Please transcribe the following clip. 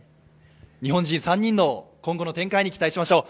日本人３人の今後の展開に期待しましょう。